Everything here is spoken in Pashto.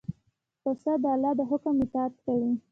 پسه د الله د حکم اطاعت کوي.